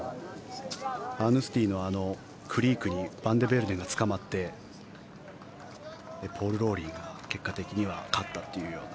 カーヌスティのクリークにバンデベルデがつかまってポール・ローリーが結果的には勝ったというような。